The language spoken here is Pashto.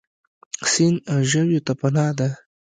سیند ژویو ته پناه ده.